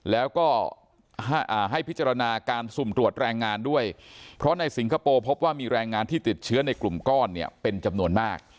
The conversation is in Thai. แล้วก็ให้พิจารณาการสุ่มตรวจแรงงานด้วยเพราะในสิงคโปร์พบว่ามีแรงงานที่ติดเชื้อในกลุ่มก้อนเนี่ยเป็นจำนวนมาก